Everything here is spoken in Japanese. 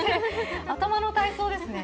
頭の体操ですね。